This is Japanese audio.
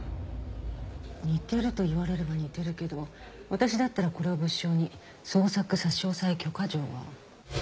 似てると言われれば似てるけど私だったらこれを物証に捜索差押許可状は。